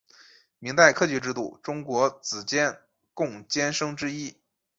明代科举制度中国子监贡监生之一。